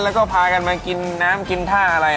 แล้วก็พากันมากินน้ำกินท่าอะไร